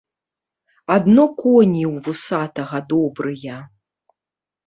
Адно коні ў вусатага добрыя.